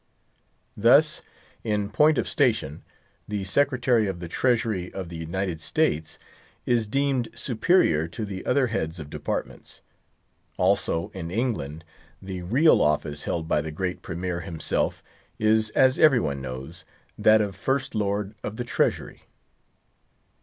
Thus, in point of station, the Secretary of the Treasury of the United States is deemed superior to the other heads of departments. Also, in England, the real office held by the great Premier himself is—as every one knows—that of First Lord of the Treasury.